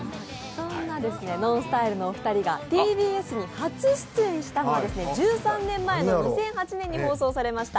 そんなＮＯＮＳＴＹＬＥのお二人がＴＢＳに初出演したのは２００８年に放送されました。